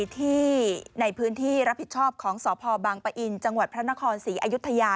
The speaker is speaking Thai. ที่ในพื้นที่รับผิดชอบของสพบังปะอินจังหวัดพระนครศรีอยุธยา